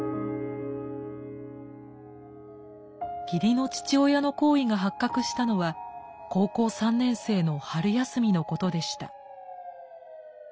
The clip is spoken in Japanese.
義理の父親の行為が発覚したのは高校３年生の春休みのことでした。